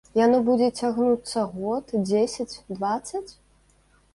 Яно будзе цягнуцца год, дзесяць, дваццаць?